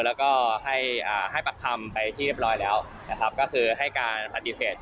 แล้วก็ให้ปากคำไปที่เรียบร้อยแล้วนะครับก็คือให้การปฏิเสธ